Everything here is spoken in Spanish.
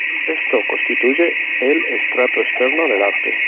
Esto constituye el "estrato externo" del arte.